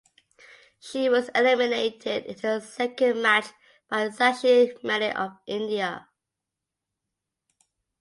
She was eliminated in her second match by Sakshi Malik of India.